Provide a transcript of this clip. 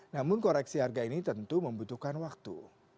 namun koreksi harga ini tentu membutuhkan waktu